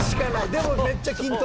でもめっちゃ均等。